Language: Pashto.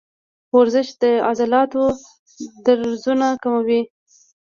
ورزش د عضلاتو درزونه کموي.